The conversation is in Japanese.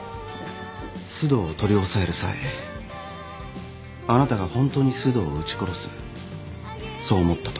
須藤を取り押さえる際あなたがホントに須藤を撃ち殺すそう思ったと。